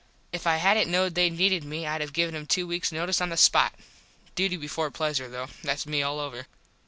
If I hadnt knowed they needed me Id have given him two weaks notise on the spot. Duty before pleasure though. Thats me all over.